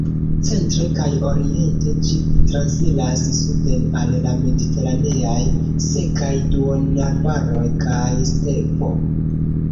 Centre kaj oriente ĝi transiras suden al la mediteraneaj sekaj duonarbaroj kaj stepo.